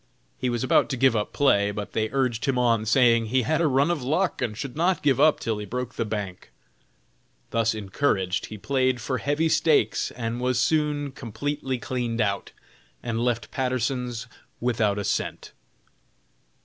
He was about to give up play, but they urged him on, saying he had a run of luck, and should not give up till he broke the bank. Thus encouraged, he played for heavy stakes, and was soon completely "cleaned out," and left Patterson's without a cent.